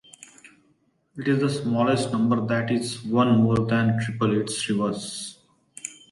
It is the smallest number that is one more than triple its reverse.